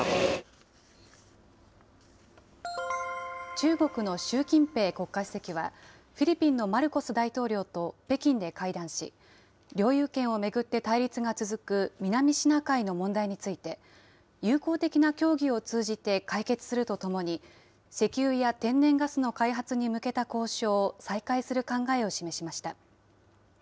中国の習近平国家主席は、フィリピンのマルコス大統領と北京で会談し、領有権を巡って対立が続く南シナ海の問題について、有効的な協議を通じて解決するとともに、石油や天然ガスの開発に向けた交渉を再開する考えを示しました。